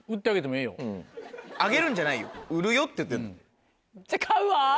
あげるんじゃないよ売るよって言ってる。